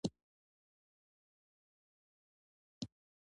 زه د کلاشینکوف ژبې ازار کړی یم.